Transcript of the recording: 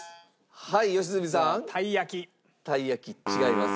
はい良純さん。たい焼き違います。